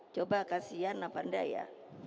coba kasihan lah pandai ya